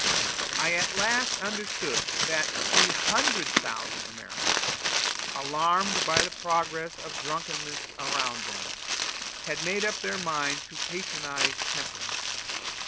I at last understood that 300,000 Americans, alarmed by the progress of drunkenness around them, had made up their minds to patronize temperance.